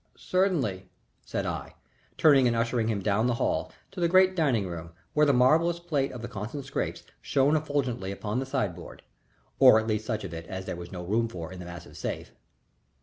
"Certainly," said I, turning and ushering him down the hall to the great dining room where the marvellous plate of the Constant Scrappes shone effulgently upon the sideboard or at least such of it as there was no room for in the massive safe.